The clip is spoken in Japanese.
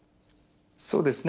そうですね。